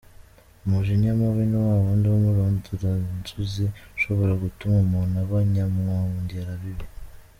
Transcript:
Umujinya mubi ni wa wundi w’umuranduranzuzi ushobora gutuma umuntu aba nyamwongera bibi.